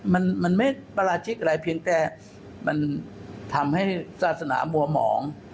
มันมันไม่ปราชิกอะไรเพียงแต่มันทำให้ศาสนามัวหมอง